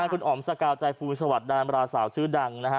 คุณอ๋อมสกาวใจภูสวัสดิดามราสาวชื่อดังนะฮะ